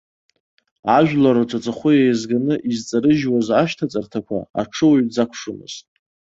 Ажәлар рҿаҵахәы еизганы изҵарыжьуаз ашьҭаҵарҭақәа аҽуаҩ дзакәшомызт.